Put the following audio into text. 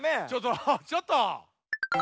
ちょっとちょっと！